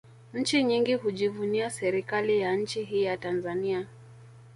Nchi nyingi hujivunia serikali ya nchi hii ya Tanzania